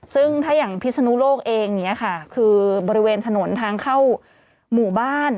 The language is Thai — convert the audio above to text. ซึ่งถ้าอย่างพิศนุโลกเองเนี่ยค่ะคือบริเวณถนนทางเข้าหมู่บ้าน